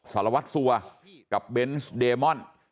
สารวัตรสัวกับเบนส์เดมอน